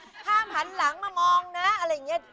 ห้ามหันหลังมามองนะอะไรอย่างนี้